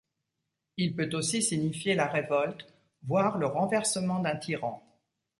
Il peut aussi signifier la révolte, voire le renversement d'un tyran.